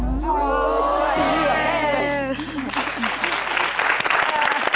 ครับ